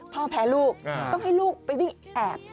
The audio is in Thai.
พ่อแพ้ลูกต้องให้ลูกไปวิ่งแอบ